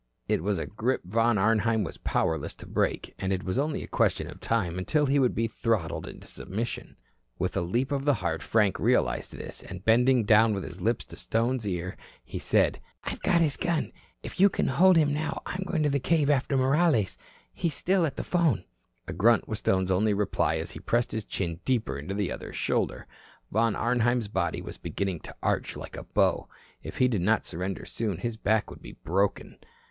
It was a grip Von Arnheim was powerless to break, and it was only a question of time until he would be throttled into submission. With a leap of the heart, Frank realized this. And bending down with his lips to Stone's ear, he said: "I've got his gun. If you can hold him now I'm going into the cave after Morales. He's still at the phone." A grunt was Stone's only reply as he pressed his chin deeper into the other's shoulder. Von Arnheim's body was beginning to arch like a bow. If he did not surrender soon, his back would be broken.